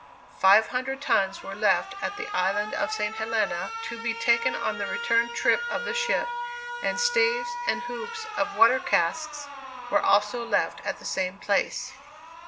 Five hundred tons were left at the Island of St. Helena, to be taken on the return trip of the ship, and staves and hoops of water casks were also left at the same place.